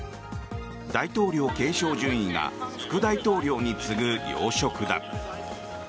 大統領継承順位が副大統領に次ぐ要職だ。